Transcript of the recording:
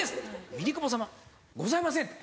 「ミリクボ様？ございません」。